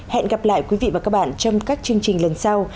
hẹn gặp lại quý vị và các bạn trong các chương trình lần sau